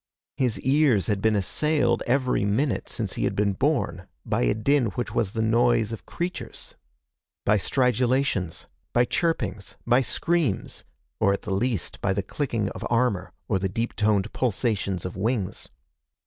His ears had been assailed every minute since he had been born by a din which was the noise of creatures. By stridulations, by chirpings, by screams, or at the least by the clicking of armor or the deep toned pulsations of wings.